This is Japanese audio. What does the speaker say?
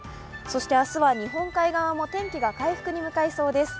明日は日本海側も天気が回復に向かいそうです。